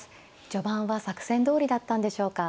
序盤は作戦どおりだったんでしょうか。